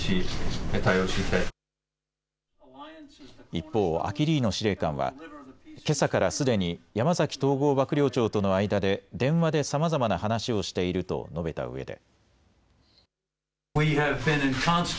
一方、アキリーノ司令官はけさからすでに山崎統合幕僚長との間で電話でさまざまな話をしていると述べたうえで。